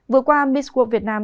vừa qua miss world việt nam